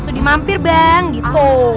sudah dimampir bang gitu